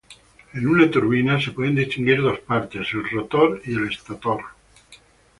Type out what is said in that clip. En una turbina se pueden distinguir dos partes, el rotor y el estátor.